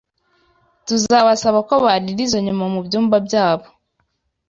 tuzabasaba ko barira izo nyama mu byumba byabo